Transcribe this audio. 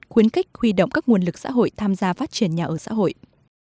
khuyến khích huy động các nguồn lực xã hội tham gia phát triển nhà ở xã hội